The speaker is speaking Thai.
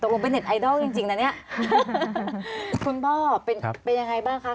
ลงเป็นเน็ตไอดอลจริงจริงนะเนี่ยคุณพ่อเป็นเป็นยังไงบ้างคะ